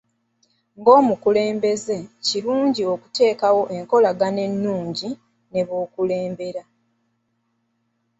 Nga omukulembeze, kirungi okuteekawo enkolagana ennungi ne b'okulembera.